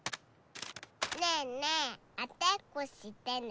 ねえねえあてっこしてね。